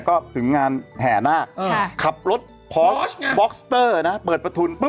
ก็ถึงงานแห่นาคค่ะขับรถบอคเซอร์นะเปิดประทุนปุ๊บ